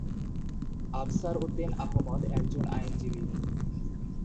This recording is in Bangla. আফসার উদ্দিন আহমদ একজন আইনজীবী।